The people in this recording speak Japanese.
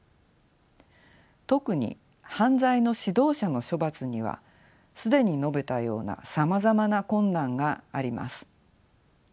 特に犯罪の指導者の処罰には既に述べたようなさまざまな困難があります。